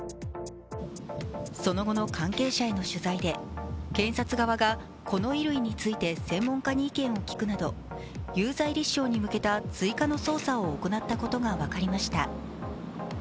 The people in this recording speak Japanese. その後の関係者への取材で検察側がこの衣類について専門家に意見を聞くなど有罪立証に向けた追加の捜査を行ったことが分かりました。